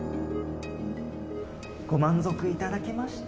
ご満足いただけました？